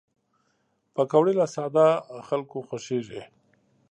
پکورې له ساده خلکو خوښېږي